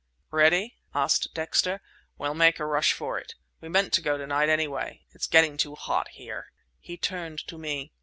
"Ready?" asked Dexter. "We'll make a rush for it. We meant to go to night anyway. It's getting too hot here!" He turned to me.